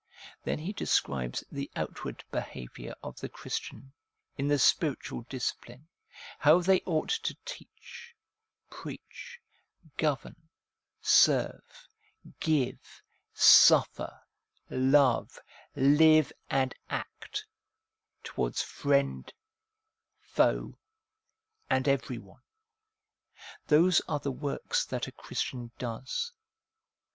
Then he describes the outward behaviour of the Christian in the spiritual discipline, how they ought to teach, preach, govern, serve, give, suiter, love, live, and act, towards friend, foe, and everyone. Those are the works that a Christian does.